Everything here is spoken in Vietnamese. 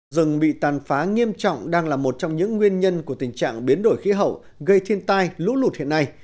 rừng bị tàn phá nghiêm trọng đang là một trong những nguyên nhân của tình trạng biến đổi khí hậu gây thiên tai lũ lụt hiện nay